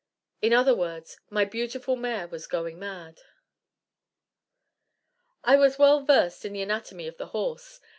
In other words, my beautiful mare was going mad. "I was well versed in the anatomy of the horse.